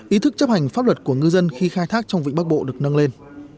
ý thức chấp hành pháp luật của ngư dân khi khai thác trong vịnh bắc bộ được nâng lên